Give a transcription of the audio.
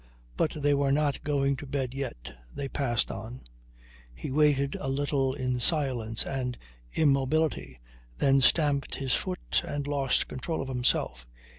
But they were not going to bed yet. They passed on. He waited a little in silence and immobility, then stamped his foot and lost control of himself.